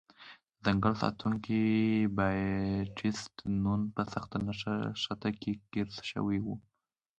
د ځنګل ساتونکی بابټیست نون په سخته نښته کې ګیر شوی و.